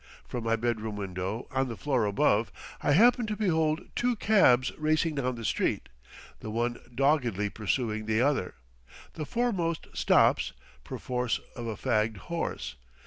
From my bedroom window, on the floor above, I happen to behold two cabs racing down the street, the one doggedly pursuing the other. The foremost stops, perforce of a fagged horse.